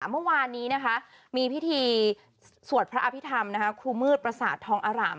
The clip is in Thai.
เมื่อวานนี้นะคะมีพิธีสวดพระอภิษฐรรมครูมืดประสาททองอร่าม